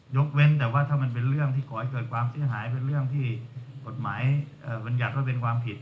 เว้นแต่ว่าถ้ามันเป็นเรื่องที่ก่อให้เกิดความเสียหายเป็นเรื่องที่กฎหมายบรรยัติว่าเป็นความผิด